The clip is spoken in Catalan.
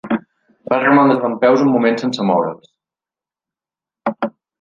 Va romandre dempeus un moment sense moure's.